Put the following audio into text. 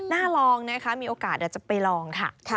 น่ารองนะคะมีโอกาสจะไปลองค่ะ